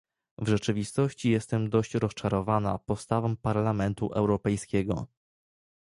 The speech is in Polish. W rzeczywistości jestem dość rozczarowana postawą Parlamentu Europejskiego